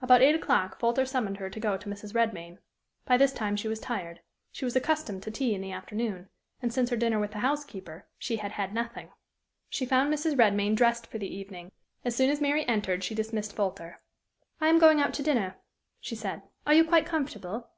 About eight o'clock, Folter summoned her to go to Mrs. Redmain. By this time she was tired: she was accustomed to tea in the afternoon, and since her dinner with the housekeeper she had had nothing. She found Mrs. Redmain dressed for the evening. As soon as Mary entered, she dismissed Folter. "I am going out to dinner," she said. "Are you quite comfortable?"